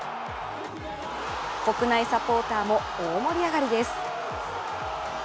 国内サポーターも大盛り上がりです。